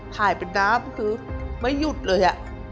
ขายเป็นน้ำคือไม่หยุดเลย